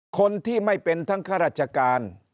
คนที่ไม่เป็นทั้งข้าราชการ